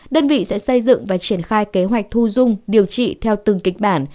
đơn vị sẽ xây dựng và triển khai kế hoạch thu dung điều trị theo từng kịch bản